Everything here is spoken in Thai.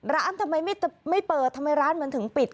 ร้านทำไมไม่เปิดทำไมร้านเหมือนถึงปิด